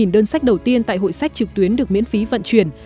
hai mươi đơn sách đầu tiên tại hội sách trực tuyến được miễn phí vận chuyển